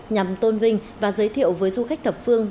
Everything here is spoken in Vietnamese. nhằm tôn vinh và giới thiệu với du khách thập phương